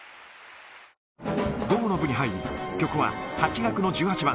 午後の部に入り、曲は、八学の十八番。